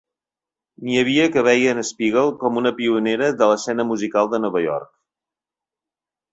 N'hi havia que veien Spiegel com una pionera de l'escena musical de Nova York.